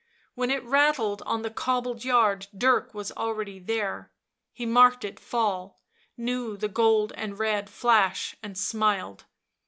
When it rattled on the cobbled yard Dirk was already there; he marked it fall, knew the gold and red flash, and smiled.